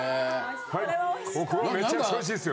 はいここはめちゃくちゃ美味しいですよ。